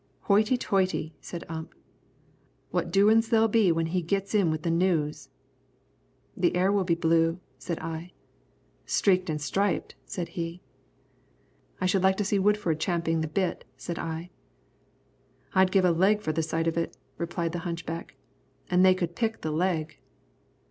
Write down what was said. "Hoity toity!" said Ump, "what doin's there'll be when he gits in with the news!" "The air will be blue," said I. "Streaked and striped," said he. "I should like to see Woodford champing the bit," said I. "I'd give a leg for the sight of it," replied the hunchback, "an' they could pick the leg."